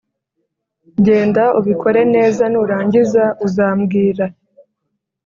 Genda ubikore neza nurangiza uzambwira